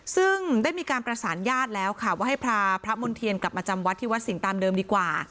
ซึ่งได้มีการประสานญาติแล้วค่ะว่าให้พาพระมณ์เทียนกลับมาจำวัดที่วัดสิงห์ตามเดิมดีกว่า